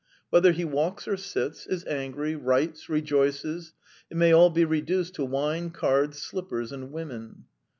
Whether he walks or sits, is angry, writes, rejoices, it may all be reduced to wine, cards, slippers, and women.